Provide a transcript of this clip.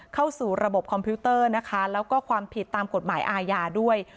เข้าสู่ระบบคอมพิวเตอร์นะคะแล้วก็ความผิดตามกฎหมายอาญาด้วย